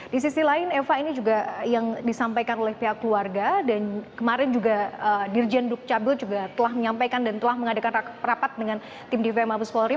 di sisi lain eva ini juga yang disampaikan oleh pihak keluarga dan kemarin juga dirjen duk cabil juga telah menyampaikan dan telah mengadakan rapat dengan tim dvi mabes polri